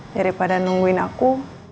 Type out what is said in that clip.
daripada nungguin aku